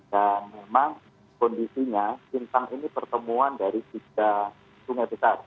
dan memang kondisinya simpang ini pertemuan dari tiga sungai besar